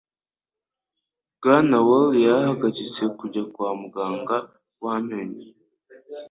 Bwana Wall yahagaritse kujya kwa muganga w'amenyo.